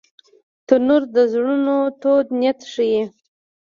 تنور د زړونو تود نیت ښيي